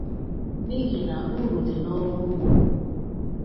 n'ihi na úrù dị n'ọrụ ugbo.